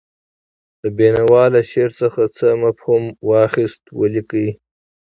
د بېنوا له شعر څخه څه مفهوم واخیست ولیکئ.